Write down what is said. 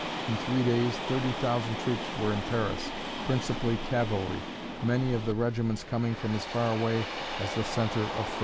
In three days thirty thousand troops were in Paris principally cavalry, many of the regiments coming from as far away as the center of France.